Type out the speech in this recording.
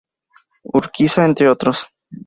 Urquiza, entre otros.